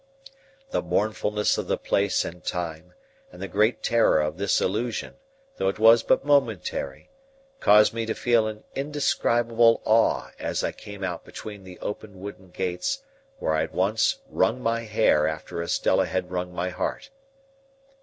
The mournfulness of the place and time, and the great terror of this illusion, though it was but momentary, caused me to feel an indescribable awe as I came out between the open wooden gates where I had once wrung my hair after Estella had wrung my heart.